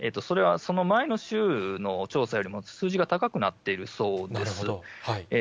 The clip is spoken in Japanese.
それはその前の週の調査よりも、数字が高くなっているそうです。